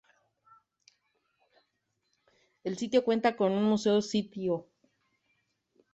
El sitio cuenta con un museo sitio.